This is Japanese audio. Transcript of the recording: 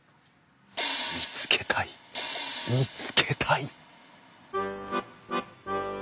見つけたい見つけたい！